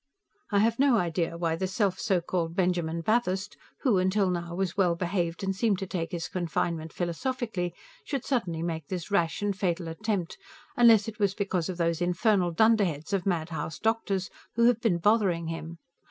I have no idea why the self so called Benjamin Bathurst, who, until now, was well behaved and seemed to take his confinement philosophically, should suddenly make this rash and fatal attempt, unless it was because of those infernal dunderheads of madhouse doctors who have been bothering him.